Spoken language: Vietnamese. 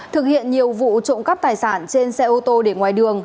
thực hiện nhiều vụ trộm cắp tài sản trên xe ô tô để ngoài đường